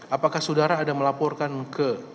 apakah saudara ada melaporkan ke